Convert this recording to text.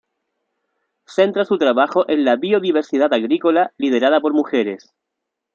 Centra su trabajo en la biodiversidad agrícola liderada por mujeres.